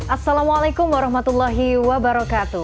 assalamualaikum warahmatullahi wabarakatuh